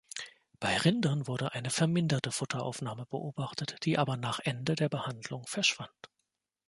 Bei Rindern wurde eine verminderte Futteraufnahme beobachtet, die aber nach Ende der Behandlung verschwand.